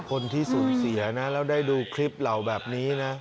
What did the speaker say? คนที่สูญเสียนะแล้วได้ดูคลิปเหล่าแบบนี้นะ